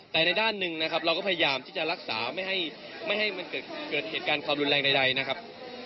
แต่ในด้านหนึ่งนะครับเราก็พยายามที่จะรักษาไม่ให้มันเกิดเหตุการณ์ความรุนแรงใดนะครับ